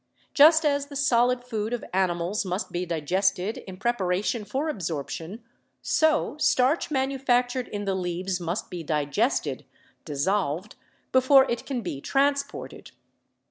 Just as the solid food of animals must be digested in prepara tion for absorption, so starch manufactured in the leaves must be digested (dissolved) before it can be transported.